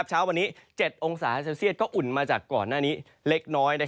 เช้าวันนี้๗องศาเซลเซียตก็อุ่นมาจากก่อนหน้านี้เล็กน้อย